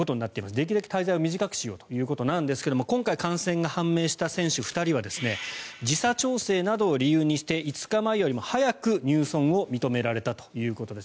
できるだけ滞在を短くしようということなんですが今回、感染が判明した選手２人は時差調整などを理由にして５日前よりも早く入村を認められたということです。